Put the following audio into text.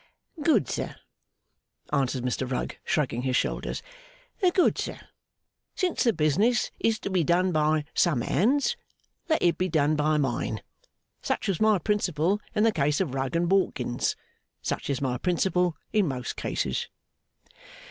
'Good, sir,' answered Mr Rugg, shrugging his shoulders. 'Good, sir. Since the business is to be done by some hands, let it be done by mine. Such was my principle in the case of Rugg and Bawkins. Such is my principle in most cases.